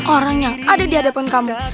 orang yang ada di hadapan kamu